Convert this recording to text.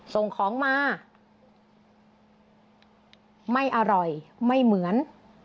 ส่งของมาไม่อร่อยไม่เหมือน